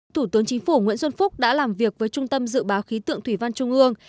thủ tướng chính phủ nguyễn xuân phúc đã làm việc với trung tâm dự báo khí tượng thủy văn trung ương